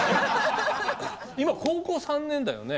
今、高校３年だよね。